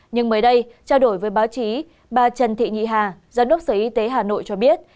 nhưng mới đây trao đổi với báo chí bà trần thị nhị hà giám đốc sở y tế hà nội cho biết